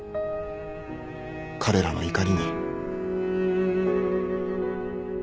彼らの怒りに。